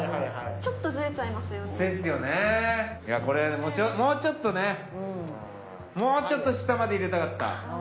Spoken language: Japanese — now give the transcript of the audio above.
これもうちょっとねもうちょっと下まで入れたかった。